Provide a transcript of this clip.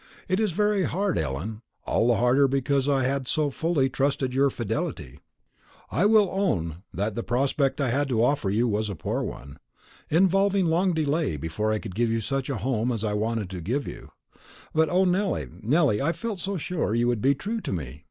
It is very hard, Ellen; all the harder because I had so fully trusted in your fidelity." "I will own that the prospect I had to offer you was a poor one; involving long delay before I could give you such a home as I wanted to give you; but O, Nelly, Nelly, I felt so sure that you would be true to me!